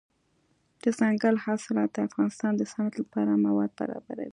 دځنګل حاصلات د افغانستان د صنعت لپاره مواد برابروي.